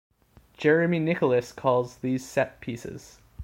Jeremy Nicholas calls these set pieces.